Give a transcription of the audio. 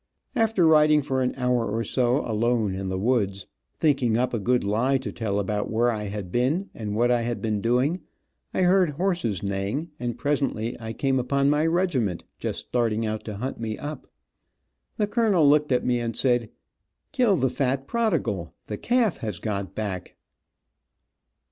After riding for an hour or so, alone in the woods, thinking up a good lie to tell about where I had been, and what I had been doing, I heard horses neighing, and presently I came upon my regiment, just starting out to hunt me up. The colonel looked at me and said, "Kill the fat prodigal, the calf has got back."